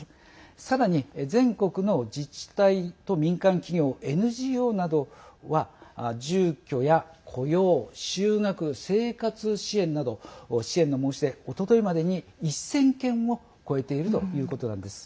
さらに、全国の自治体と民間企業・ＮＧＯなどは住居や雇用、就学、生活支援など支援の申し出おとといまでに１０００件を超えているということなんです。